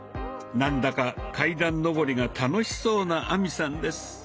何だか階段上りが楽しそうな亜美さんです。